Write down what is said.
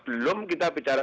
belum kita bicara